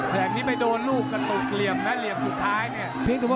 แถ่งใดไปโดนลูกเรียมกระตุก